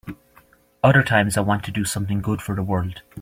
Other times I want to do something good for the world.